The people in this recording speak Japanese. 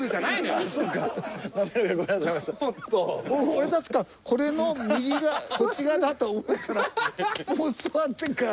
俺確かこれの右がこっち側だと思ったらもう座ってるから。